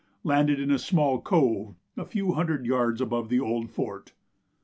landed in a small cove a few hundred yards above the Old Fort.